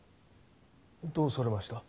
どうされました？